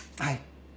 はい。